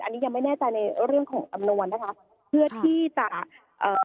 อันนี้ยังไม่แน่ใจในเรื่องของจำนวนนะคะเพื่อที่จะเอ่อ